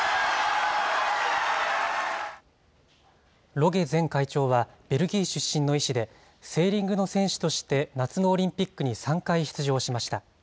ロゲ前会長はベルギー出身の医師で、セーリングの選手として、夏のオリンピックに３回出場しました。